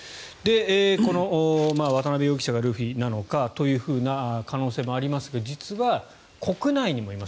この渡邉容疑者がルフィなのかという可能性もありますが実は、国内にもいます。